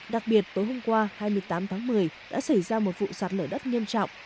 đặc biệt tối hôm qua hai mươi tám tháng một mươi đã xảy ra một vụ sạt lở đất nghiêm trọng